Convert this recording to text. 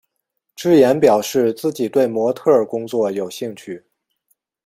芝妍表示自己对模特儿工作有兴趣。